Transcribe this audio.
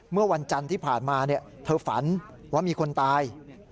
เมื่อวันจันทร์ที่ผ่านมาเธอฝันว่ามีคนตาย